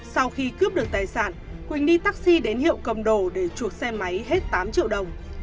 sau khi cướp được tài sản quỳnh đi taxi đến hiệu cầm đồ để chuộc xe máy hết tám triệu đồng